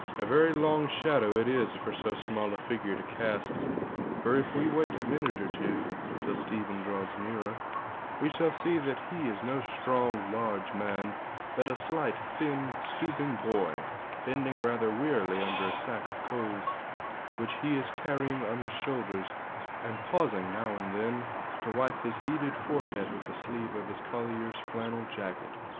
A very long shadow it is for so small a figure to cast, for if we wait a minute or two till Stephen draws nearer, we shall see that he is no strong, large man, but a slight, thin, stooping boy, bending rather wearily under a sack of coals, which he is carrying on his shoulders, and pausing now and then to wipe his heated forehead with the sleeve of his collier's flannel jacket.